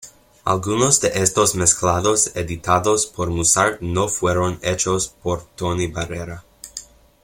Algunos de estos mezclados editados por Musart no fueron hechos por Tony Barrera.